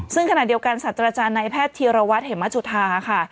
ซึ่งขณะเดียวกันสัตว์อาจารย์ในแพทย์ธีรวัตรเหมจุธาค่ะ